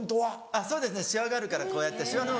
あっそうですねシワがあるからこうやってシワの。